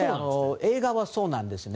映画はそうなんですね。